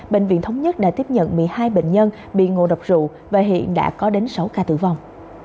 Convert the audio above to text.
bệnh viện thống nhất đã tiếp nhận một mươi hai bệnh nhân bị ngộ độc rượu và hiện đã có đến sáu ca tử vong